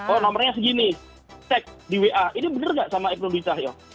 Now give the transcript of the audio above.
oh nomernya segini cek di wa ini bener gak sama ibnuddin cahyaw